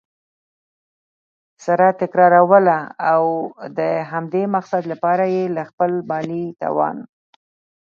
سره تكراروله؛ او د همدې مقصد له پاره یي له خپل مالي توان